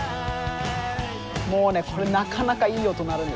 もうねこれなかなかいい音鳴るんですよね。